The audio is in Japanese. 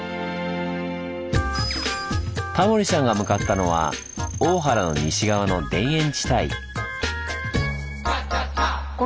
タモリさんが向かったのは大原の西側の田園地帯。